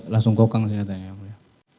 langsung kokang senjata yang mulia